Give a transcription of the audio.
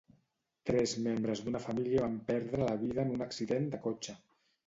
Tres membres d'una família van perdre la vida en un accident de cotxe.